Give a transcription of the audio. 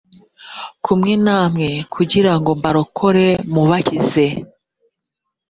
kumwe namwe kugira ngo mbarokore mubakize